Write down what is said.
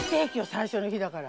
最初の日だから。